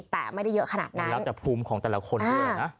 แต่ไม่ได้เยอะขนาดนั้นแล้วแต่ภูมิของแต่ละคนด้วยนะ